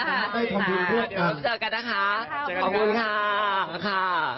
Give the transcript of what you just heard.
เดี๋ยวพูดเจอกันนะคะขอบคุณค่ะ